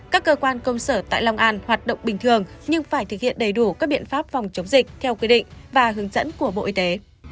các cơ quan công sở tại long an hoạt động bình thường nhưng phải thực hiện đầy đủ các biện pháp phòng chống dịch theo quy định và hướng dẫn của bộ y tế